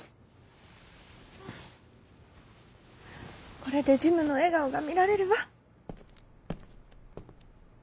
「これでジムのえがおがみられるわ」。